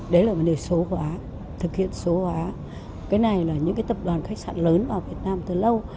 đấy là vấn đề số hóa thực hiện số hóa cái này là những cái tập đoàn khách sạn lớn vào việt nam từ lâu